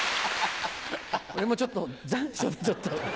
俺もちょっと残暑でちょっと。